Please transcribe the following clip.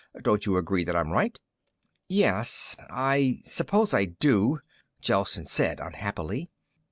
Don't you agree that I'm right?" "Yes, I suppose I do," Gelsen said unhappily.